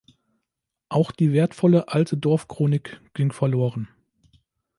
Auch die wertvolle alte Dorfchronik ging verloren.